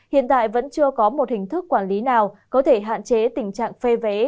hiện tại vẫn chưa có một hình thức quản lý nào có thể hạn chế tình trạng phê vé